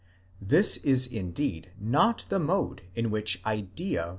This is indeed not the mode in which Idea.